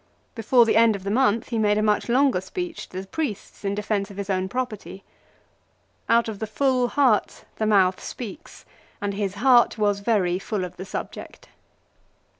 Before the end of the month he made a much longer speech to the priests in defence of his own property. Out of the full heart the mouth speaks, and his heart was very full of the subject.